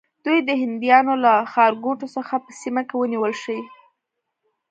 دوی دې د هندیانو له ښارګوټو څخه په سیمه کې ونیول شي.